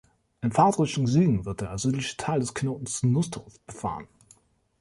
In Fahrtrichtung Süden wird der südliche Teil des Knotens Nussdorf befahren.